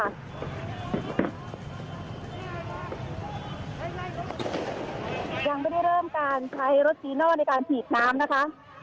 ยังไม่ได้เริ่มการใช้รถจีโน่ในการฉีดน้ำนะคะ